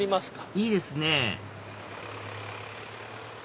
いいですね